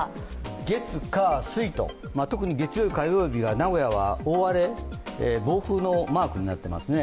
月火水と、特に月曜日、火曜日が名古屋は大荒れ、暴風のマークになっていますね。